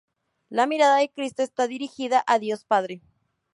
La mirada de Cristo está dirigida a Dios Padre.